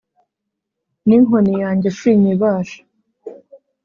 N'inkoni yanjye sinyibasha